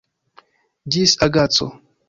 Ĝis agaco.